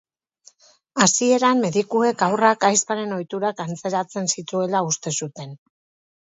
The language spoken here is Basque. Hasieran medikuek haurrak aizparen ohiturak antzeratzen zituela uste zuten.